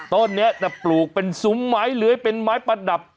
ต้นนี้จะปลูกเป็นซุ้มไม้เลื้อยเป็นไม้ประดับ